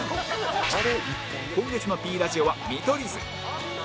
今月の Ｐ ラジオは見取り図